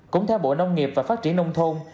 cũng theo bộ nông nghiệp và phát triển nông thôn